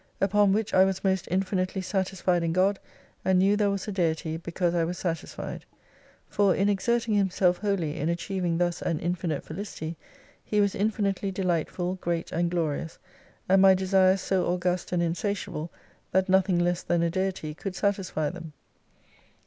Upon which I was most infinitely satisfied in God, and knew there was a Deity because I was satisfied. For in exerting Himself wholly in achieving thus an infinite Felicity He was infinitely delightful, great and glorious, and my desires so august and insatiable that nothing less than a Deity could satisfy them.